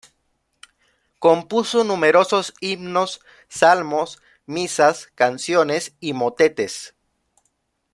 Compuso numerosos himnos, salmos, misas, canciones y motetes.